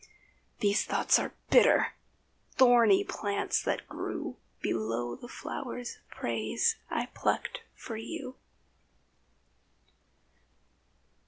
These thoughts are bitter—thorny plants, that grew Below the flowers of praise I plucked for you.